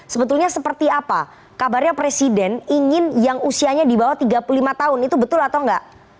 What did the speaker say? sebetulnya seperti apa kabarnya presiden ingin yang usianya di bawah tiga puluh lima tahun itu betul atau enggak